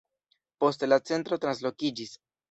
Poste la centro translokiĝis.